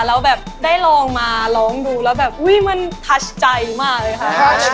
แล้วแบบได้ลองมาร้องดูแล้วแบบอุ๊ยมันทัชใจมากเลยค่ะ